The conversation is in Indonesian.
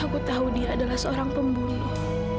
aku tahu dia adalah seorang pembunuh